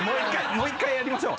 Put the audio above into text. もう一回やりましょう。